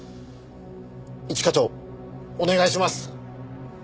一課長お願いします！